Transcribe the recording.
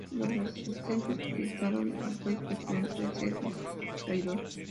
Los asistentes tildaron al juez presidente de "serbio traidor".